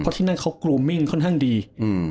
เพราะที่นั่นเขากรูมิ่งค่อนข้างดี